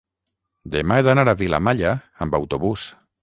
demà he d'anar a Vilamalla amb autobús.